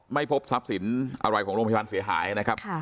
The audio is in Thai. ไม่พบทรัพย์สินอะไรของโรงพยาบาลเสียหายนะครับ